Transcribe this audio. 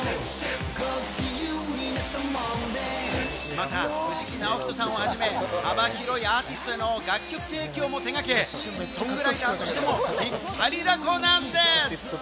また、藤木直人さんをはじめ、幅広いアーティストへの楽曲提供も手がけ、シンガーソングライターとしても引っ張りだこなんです！